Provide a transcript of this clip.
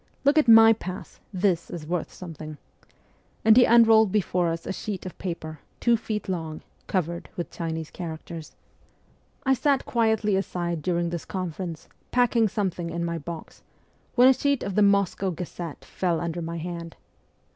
' Look at my pass : this is worth something,' and he unrolled before us a sheet of paper, two feet long, covered with Chinese characters. 240 MEMOIRS OF A REVOLUTIONIST I sat quietly aside during this conference, packing something in my box, when a sheet of the ' Moscow Gazette ' fell under my hand.